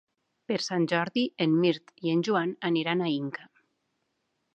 Per Sant Jordi en Mirt i en Joan aniran a Inca.